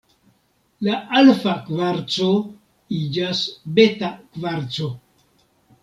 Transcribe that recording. La alfa kvarco iĝas beta kvarco.